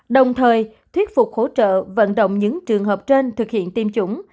đồng thời thuyết phục hỗ trợ vận động những trường hợp trên thực hiện tiêm chủng